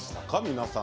皆さん。